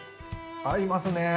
合いますねぇ。